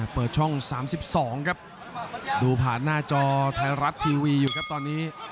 เปิดช่อง๓๒ครับดูผ่านหน้าจอไทยรัฐทีวีอยู่ครับตอนนี้